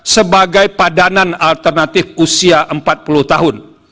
sebagai padanan alternatif usia empat puluh tahun